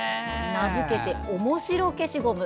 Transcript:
名付けておもしろ消しゴム。